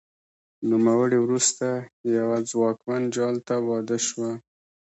نوموړې وروسته یوه ځواکمن جال ته واده شوه